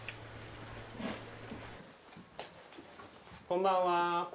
こんばんは。